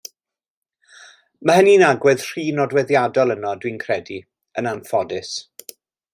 Mae hynny'n agwedd rhy nodweddiadol yno dwi'n credu, yn anffodus.